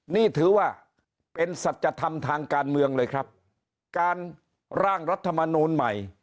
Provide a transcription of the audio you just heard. นี่ถือว่าเป็นสัจธรรมทางการเมืองเลยครับการร่างรัฐมนูลใหม่